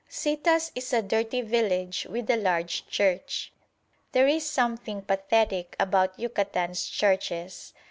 Citas is a dirty village with a large church. There is something pathetic about Yucatan's churches.